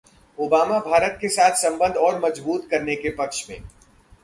Obama Bharat के साथ संबंध और मजबूत करने के पक्ष में